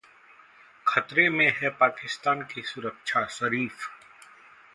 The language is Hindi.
खतरे में है पाकिस्तान की सुरक्षा: शरीफ